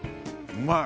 うまい！